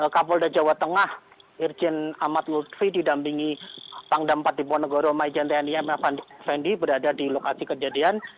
kapolda jawa tengah irjen ahmad lutfi didampingi pangdam patiponegoro mai jantiania m a fendi berada di lokasi kejadian